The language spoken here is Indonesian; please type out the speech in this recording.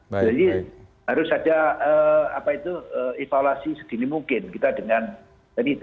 jadi harus ada evaluasi segini mungkin kita dengan dan itu